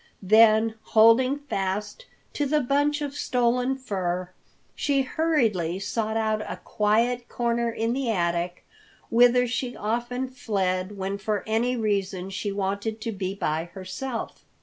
Then holding fast to the bunch of stolen fur, she hurriedly sought a quiet corner in the attic, whither she often fled when for any reason she wanted to be by herself.